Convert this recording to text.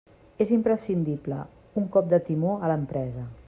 És imprescindible un cop de timó a l'empresa.